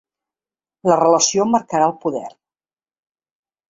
La relació marcarà el poder.